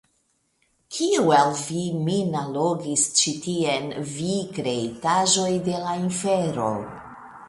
Kiu el vi min allogis ĉi tien, vi kreitaĵoj de la infero?